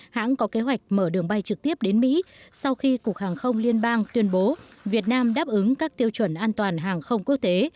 hãng có kế hoạch mở đường bay trực tiếp đến mỹ sau khi cục hàng không liên bang tuyên bố việt nam đáp ứng các tiêu chuẩn an toàn hàng không quốc tế